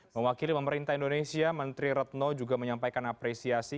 memwakili pemerintah indonesia menteri ratno juga menyampaikan apresiasi